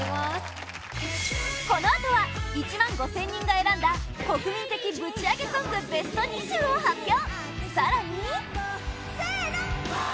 このあとは１万５０００人が選んだ国民的ぶちアゲソングベスト２０を発表！